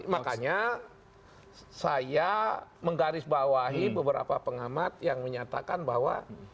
makanya saya menggarisbawahi beberapa pengamat yang menyatakan bahwa